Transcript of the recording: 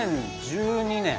２０１２年。